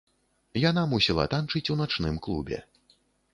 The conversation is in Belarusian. Яна мусіла танчыць у начным клубе.